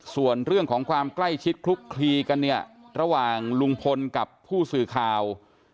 ส่วนเรื่องของความใกล้ชิดคลุกคลีกันเนี่ยระหว่างลุงพลกับผู้สื่อข่าว